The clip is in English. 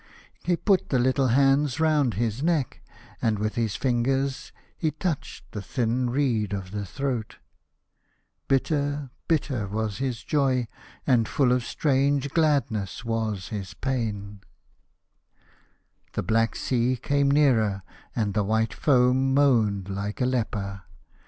He put the little hands round his neck, and with his fingers he 12 2 The Fisherman and his Son l . touched the thin reed of the throat. Bitter, bitter was his joy, and full of strange glad ness was his pain. The black sea came nearer, and the white foam moaned like a leper.